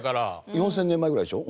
４０００年前ぐらいでしょ？